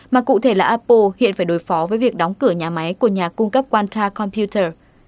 mà cụ thể là apple hiện phải đối phó với việc đóng cửa nhà máy của nhà cung cấp quanta computer